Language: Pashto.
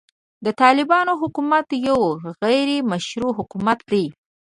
د طالبانو حکومت يو غيري مشروع حکومت دی.